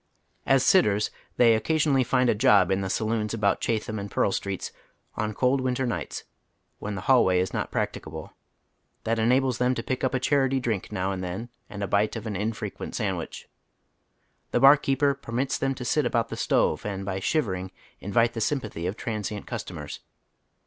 As " sitters " they occasionally find a job in ^he saloons ftbout Chatham and Pearl Streets on cold winter nights, when the hallway is not practicable, that enables them to pick up a charity drink now and then and a bite of an infrequent sandwich. The barkeeper permits them to sit about the stove and by shivering invite the sympathy of transient customers.